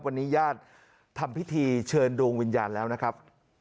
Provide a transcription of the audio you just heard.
วันนี้ญาติทำพิธีเชิญดวงวิญญาณแล้วนะครับ